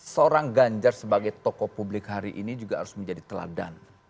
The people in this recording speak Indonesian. seorang ganjar sebagai tokoh publik hari ini juga harus menjadi teladan